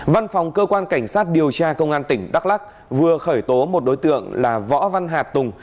văn phòng cơ quan cảnh sát điều tra công an tỉnh đắk lắc vừa khởi tố một đối tượng là võ văn hà tùng